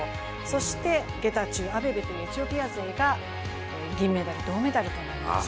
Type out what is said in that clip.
そしてゲタチュー、アベベというエチオピア勢が銀メダル、銅メダルとなりました。